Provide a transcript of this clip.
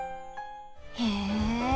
へえ。